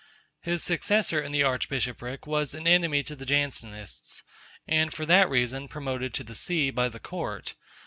His successor in the archbishopric was an enemy to the Jansenists, and for that reason promoted to the see by the court.